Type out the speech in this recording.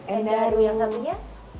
endaru yang satunya